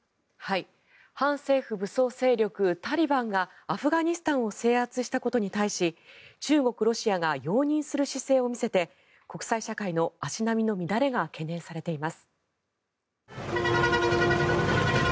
反政府武装勢力タリバンがアフガニスタンを制圧したことに対し中国、ロシアが容認する姿勢を見せて国際社会の足並みの乱れが懸念されています。